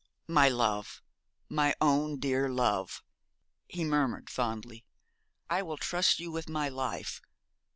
'My love, my own dear love,' he murmured fondly; 'I will trust you with my life.